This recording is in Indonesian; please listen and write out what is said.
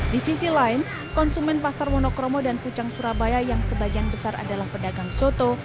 di sisi lain konsumen pasar monokromo dan pucang surabaya yang sebagian besar adalah pedagang soto